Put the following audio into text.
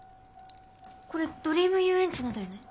これドリーム遊園地のだよね。